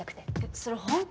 それ本気？